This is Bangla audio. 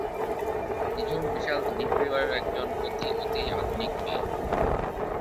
নিঝুম বিশাল ধনী পরিবারের একজন অতি অতি আধুনিক মেয়ে।